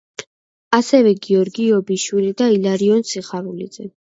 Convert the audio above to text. ასევე გიორგი იობიშვილი და ილარიონ სიხარულიძე.